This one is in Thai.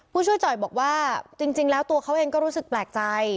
ผู้ช่วยจ่อยบอกว่าจริงแล้วตัวเขาเองก็รู้สึกแปลกใจ